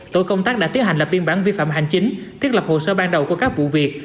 tổ công tác đã tiến hành lập biên bản vi phạm hành chính thiết lập hồ sơ ban đầu của các vụ việc